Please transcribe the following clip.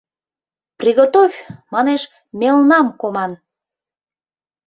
Приготовь, манеш, мелнам коман...